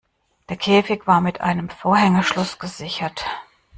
Der Käfig war mit einem Vorhängeschloss gesichert.